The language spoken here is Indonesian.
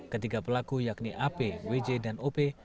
ketiga pelaku yakni ap wj dan op